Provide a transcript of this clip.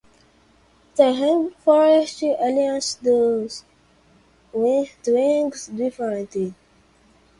The Rainforest Alliance does things differently.